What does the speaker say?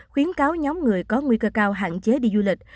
khuyến cáo nhóm người có nguy cơ cao hạn chế đi du lịch